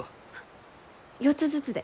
４つずつで。